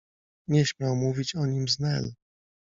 Nie śmiał mówić o nim z Nel.